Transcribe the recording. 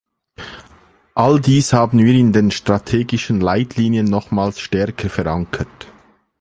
All dies haben wir in den Strategischen Leitlinien nochmals stärker verankert.